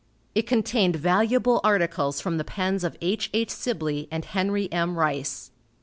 It contained valuable articles from the pens of H. H. Sibley and Henry M. Rice.